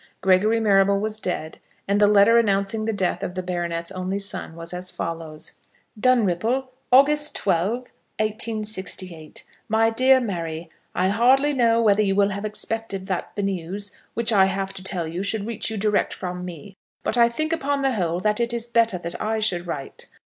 Gregory Marrable was dead, and the letter announcing the death of the baronet's only son was as follows: Dunripple, August 12, 1868. MY DEAR MARY, I hardly know whether you will have expected that the news which I have to tell you should reach you direct from me; but I think, upon the whole, that it is better that I should write.